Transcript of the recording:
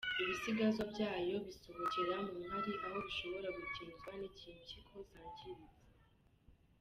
Ibisigazwa byayo bisohokera mu nkari aho bishobora gutinzwa n’igihe impyiko zangiritse.